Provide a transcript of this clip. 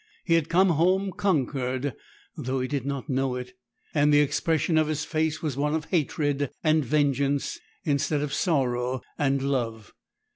He was come home conquered, though he did not know it; and the expression of his face was one of hatred and vengeance, instead of sorrow and love.